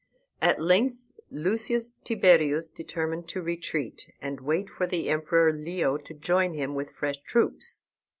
At length Lucius Tiberius determined to retreat, and wait for the Emperor Leo to join him with fresh troops.